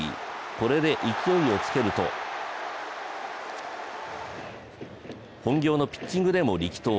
これで勢いをつけると本業のピッチングでも力投。